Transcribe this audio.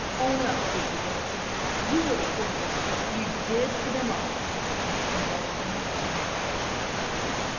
Own up, Dicky Belton. You're the culprit you did for them all.' And Belton laughed.